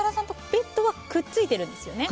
ベッドはくっついてるんですよね。